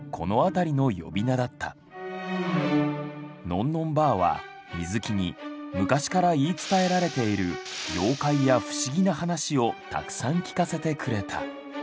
のんのんばあは水木に昔から言い伝えられている妖怪や不思議な話をたくさん聞かせてくれた。